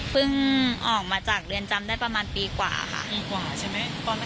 เพิ่งออกมาจากเรือนจำได้ประมาณปีกว่าค่ะ